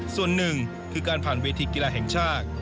ส่วนหนึ่งคือการผ่านเวทีกีฬาแห่งชาติ